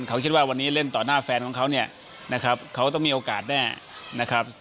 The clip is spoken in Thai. เขาคิดว่าวันนี้เล่นต่อหน้าแฟนของเขาเนี่ยนะครับเขาต้องมีโอกาสแน่นะครับ